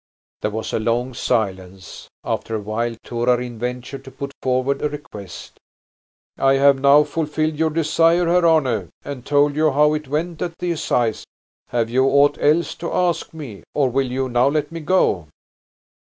There was a long silence. After a while Torarin ventured to put forward a request. "I have now fulfilled your desire, Herr Arne, and told you how it went at the assize. Have you aught else to ask me, or will you now let me go?"